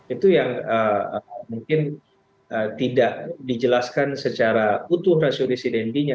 itu yang mungkin tidak dijelaskan secara utuh rasio residentinya